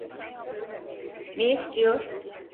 Ne istiyor?